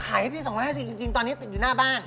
ให้พี่๒๕๐จริงตอนนี้ติดอยู่หน้าบ้าน